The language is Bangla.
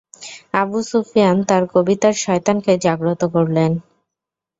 আবু সুফিয়ান তার কবিতার শয়তানকে জাগ্রত করলেন।